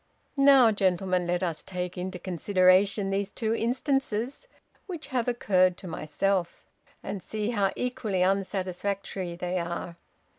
"Now, gentlemen, let us take into consideration these two instances which have occurred to myself and see how equally unsatisfactory they are.